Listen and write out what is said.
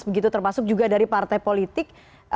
begitu termasuk juga dari partai politik